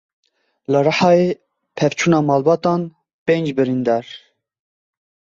Li Rihayê pevçûna malbatan pênc birîndar.